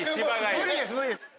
無理です無理です。